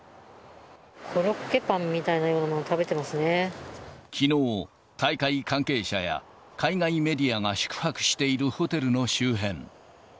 コロッケパンみたいなようなきのう、大会関係者や海外メディアが宿泊しているホテルの周辺。